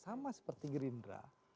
sama seperti gerinda